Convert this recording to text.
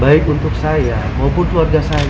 baik untuk saya maupun keluarga saya